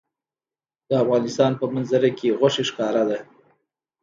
د افغانستان په منظره کې غوښې ښکاره ده.